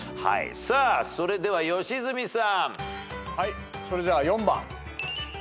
それでは良純さん。はいそれじゃあ４番。